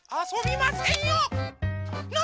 「な」